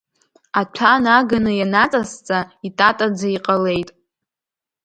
Аҭәа наганы ианаҵасҵа, итатаӡа иҟалеит.